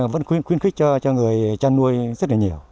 vẫn khuyến khích cho người chăn nuôi rất là nhiều